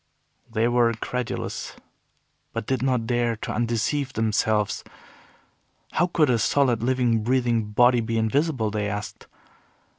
They were incredulous, but did not dare to undeceive themselves. How could a solid, living, breathing body be invisible, they asked.